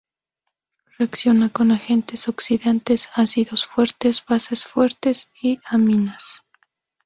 Reacciona con agentes oxidantes, ácidos fuertes, bases fuertes y aminas.